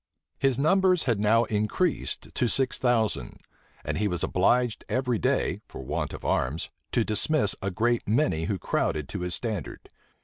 His numbers had now increased to six thousand; and he was obliged every day, for want of arms, to dismiss a great many who crowded to his standard.